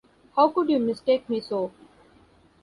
How could you mistake me so?